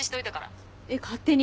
えっ勝手に？